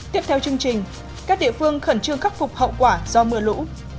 tiếp theo chương trình các địa phương khẩn trương khắc phục hậu quả do mưa lũ